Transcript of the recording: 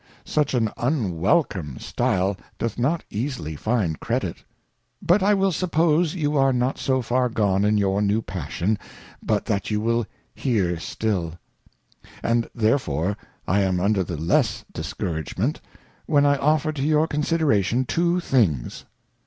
Such an'' unwelcome Stile doth not easily find Credit : but I will suppose you are not so far gone in your new Passion, but that you will Hear still ; and therefore I am under the less Discouragement, when I offer to your Consideration two things.